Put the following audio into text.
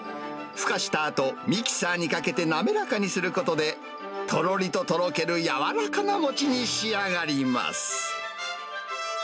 ふかしたあと、ミキサーにかけて滑らかにすることで、とろりととろける柔らかな餅に仕上がります。